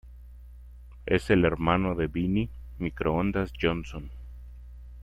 Es el hermano de Vinnie "Microondas" Johnson.